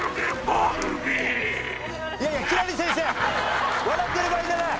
いやいや輝星先生笑ってる場合じゃない！